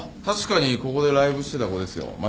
確かにここでライブしてた子ですよ。